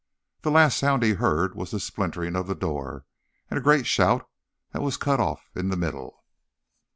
The last sound he heard was the splintering of the door, and a great shout that was cut off in the middle.